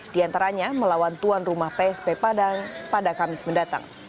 diantaranya melawan tuan rumah psp padang pada kamis mendatang